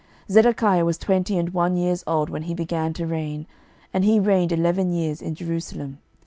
12:024:018 Zedekiah was twenty and one years old when he began to reign, and he reigned eleven years in Jerusalem.